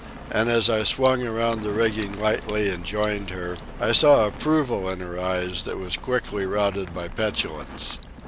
And as I swung around the rigging lightly and joined her, I saw approval in her eyes that was quickly routed by petulance.